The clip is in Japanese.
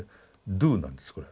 ドゥーなんですこれ。